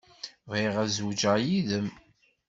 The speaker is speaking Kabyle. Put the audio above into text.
Bɣiɣ ad zewǧeɣ yid-m.